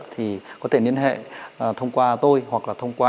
thì có thể liên hệ thông qua tôi hoặc là thông qua